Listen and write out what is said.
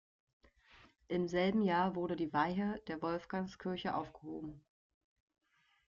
Im selben Jahr wurde die Weihe der Wolfgangskirche aufgehoben.